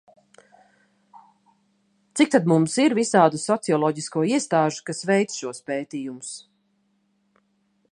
Cik tad mums ir visādu socioloģisko iestāžu, kas veic šos pētījumus?